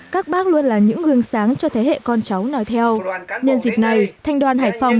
các bác luôn là những hương sáng cho thế hệ con cháu nói theo nhân dịp này thanh đoàn hải phòng